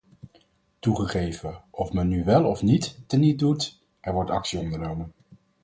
Toegegeven, of men nu wel of niet teniet doet, er wordt actie ondernomen.